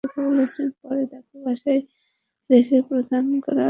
পরে তাঁকে বাসায় রেখে প্রধান কারা ফটকের কাছে যান তাঁর স্বামী।